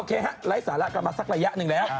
โอเคไลท์สาระกลับมาสักระยะหนึ่งแล้ว